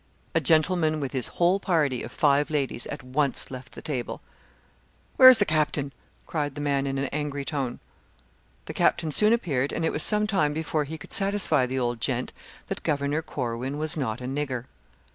A gentleman with his whole party of five ladies at once left the table. "Where is the captain?" cried the man in an angry tone. The captain soon appeared, and it was sometime before he could satisfy the old gent, that Governor Corwin was not a nigger.